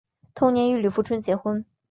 同年与李富春结婚。